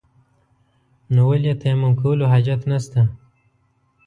نو ولې يې تيمم کولو حاجت نشته.